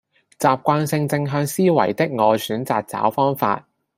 習慣性正向思維的我選擇找方法